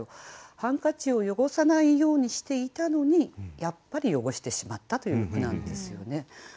ハンカチを汚さないようにしていたのにやっぱり汚してしまったという句なんですよね。